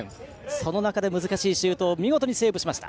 その中で難しいシュートを見事にセーブしました。